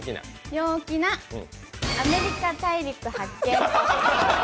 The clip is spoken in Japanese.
陽気なアメリカ大陸発見。